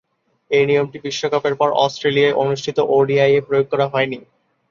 এ নিয়মটি বিশ্বকাপের পর অস্ট্রেলিয়ায় অনুষ্ঠিত ওডিআইয়ে প্রয়োগ করা হয়নি।